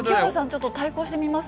ちょっと対抗してみます？